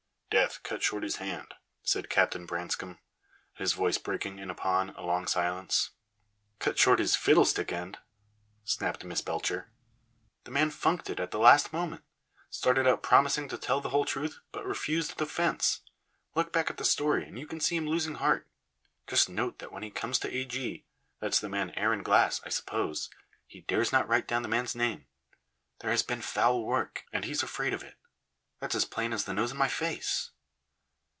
"Death cut short his hand," said Captain Branscome, his voice breaking in upon a long silence. "Cut short his fiddlestick end!" snapped Miss Belcher. "The man funked it at the last moment started out promising to tell the whole truth, but refused the fence. Look back at the story, and you can see him losing heart. Just note that when he comes to A. G. that's the man Aaron Glass, I suppose he dares not write down the man's name. There has been foul work, and he's afraid of it. That's as plain as the nose on my face."